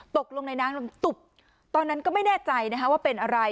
ตกลงในน้ำลมตุบตอนนั้นก็ไม่แน่ใจนะคะว่าเป็นอะไร